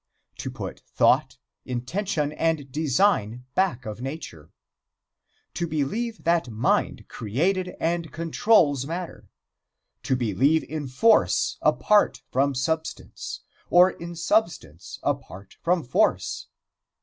To put thought, intention and design back of nature. To believe that mind created and controls matter. To believe in force apart from substance, or in substance apart from force.